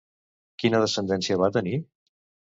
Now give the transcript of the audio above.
Quina descendència va tenir?